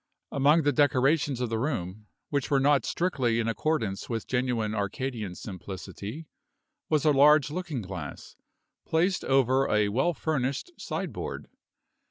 Among the decorations of the room, which were not strictly in accordance with genuine Arcadian simplicity, was a large looking glass, placed over a well furnished sideboard.